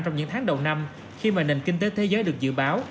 trong những tháng đầu năm khi mà nền kinh tế thế giới được dự báo